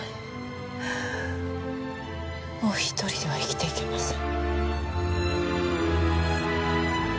もう一人では生きていけません。